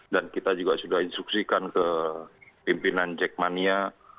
dan kita juga sudah instruksikan ke pimpinan jackmania